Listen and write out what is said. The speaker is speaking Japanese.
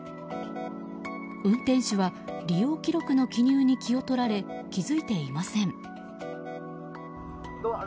運転手は利用記録の記入に気を取られ、気づいていません。